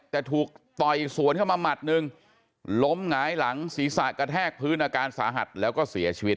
แต่ถูกต่อยสวนเข้ามาหมัดหนึ่งล้มหงายหลังศีรษะกระแทกพื้นอาการสาหัสแล้วก็เสียชีวิต